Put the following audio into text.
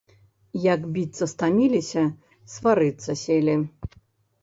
Як біцца стаміліся, сварыцца селі.